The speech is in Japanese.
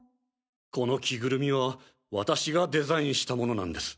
この着ぐるみは私がデザインしたものなんです。